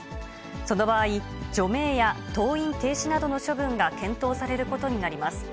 その場合、除名や登院停止などの処分が検討されることになります。